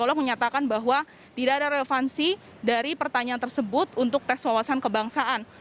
dan saya menyatakan bahwa tidak ada relevansi dari pertanyaan tersebut untuk tes wawasan kebangsaan